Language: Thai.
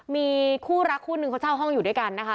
มีคู่รักคู่นึงเขาเช่าห้องอยู่ด้วยกันนะคะ